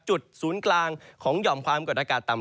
ศูนย์กลางของหย่อมความกดอากาศต่ำ